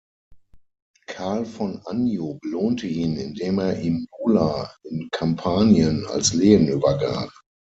Karl von Anjou belohnte ihn, indem er ihm Nola in Kampanien als Lehen übergab.